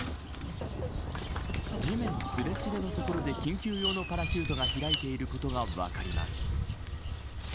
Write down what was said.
地面すれすれのところで緊急用のパラシュートが開いていることが分かります。